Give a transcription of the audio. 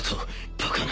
バカな